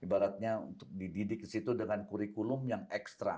ibaratnya untuk dididik di situ dengan kurikulum yang ekstra